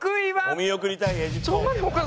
お見送り対エジプト。